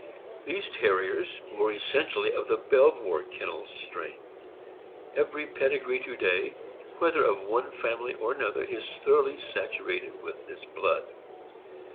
These Terriers were essentially of the Belvoir Kennels strain. Every pedigree to day, whether of one family or another, is thoroughly saturated with this blood.